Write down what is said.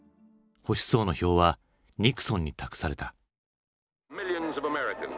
保守層の票はニクソンに託された。